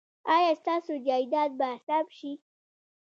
ایا ستاسو جایداد به ثبت شي؟